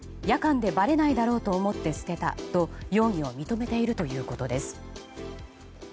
夜間でばれないだろうと思って捨てたと容疑を認めているということです。